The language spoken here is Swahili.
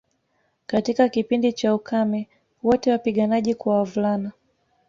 Katika kipindi cha ukame wote wapiganaji kwa wavulana